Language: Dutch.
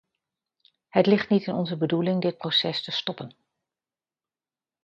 Het ligt niet in onze bedoeling dit proces te stoppen.